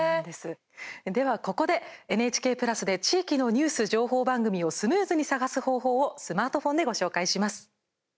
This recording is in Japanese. では、ここでＮＨＫプラスで地域のニュース情報番組をスムーズに探す方法をスマートフォンでご紹介します。